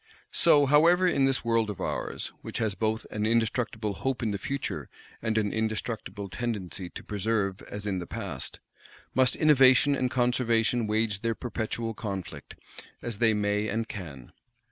So, however, in this world of ours, which has both an indestructible hope in the Future, and an indestructible tendency to persevere as in the Past, must Innovation and Conservation wage their perpetual conflict, as they may and can.